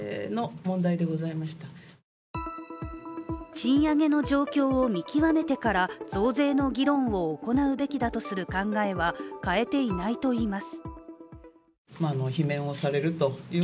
賃上げの状況を見極めてから増税の議論を行うべきだとする考えは変えていないといいます。